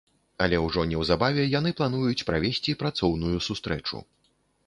Але ўжо неўзабаве яны плануюць правесці працоўную сустрэчу.